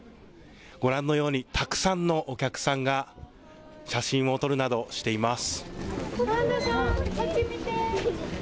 ご覧のようにたくさんのお客さんが写真を撮るなどしています。